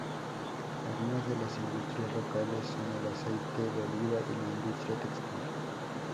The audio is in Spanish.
Algunas de las industrias locales son el aceite de oliva y la industria textil.